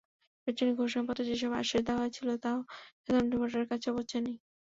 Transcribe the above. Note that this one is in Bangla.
নির্বাচনী ঘোষণাপত্রে যেসব আশ্বাস দেওয়া হয়েছিল, তা-ও সাধারণ ভোটারের কাছে পৌঁছায়নি।